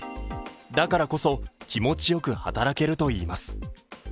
だからこそ気持ちよく働けるといいます。